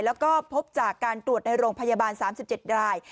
แล้วก็พบจากการตรวจในโรงพยาบาล๓๗ราย